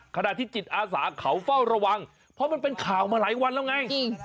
ขณะที่จิตอาสาเขาเฝ้าระวังเพราะมันเป็นข่าวมาหลายวันแล้วไง